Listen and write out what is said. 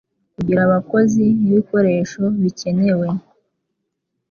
kugira abakozi n ibikoresho bikenewe